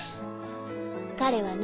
彼はね